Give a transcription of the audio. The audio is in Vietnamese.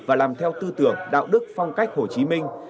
và làm theo tư tưởng đạo đức phong cách hồ chí minh